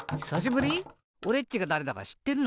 おれっちがだれだかしってるの？